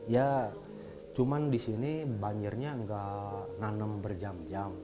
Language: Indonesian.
ya cuman di sini banjirnya enggak nanam berjam jam